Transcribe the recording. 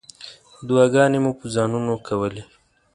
دعاګانې مو په ځانونو کولې.